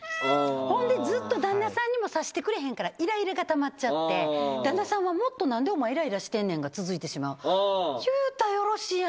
ほんでずっと旦那さんにも察してくれへんからイライラがたまっちゃって旦那さんはもっと「何でお前イライラしてんねん」が続いてしまう。